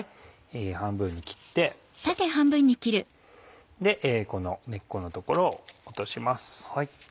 半分に切ってこの根っこの所を落とします。